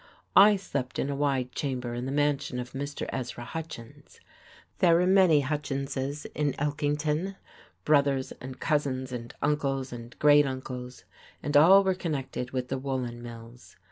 I slept in a wide chamber in the mansion of Mr. Ezra Hutchins. There were many Hutchinses in Elkington, brothers and cousins and uncles and great uncles, and all were connected with the woollen mills.